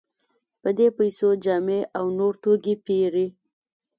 په دې پیسو جامې او نور توکي پېري.